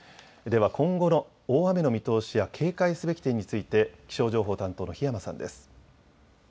では今後の大雨の見通しや警戒すべき点について気象情報担当の檜山さんです。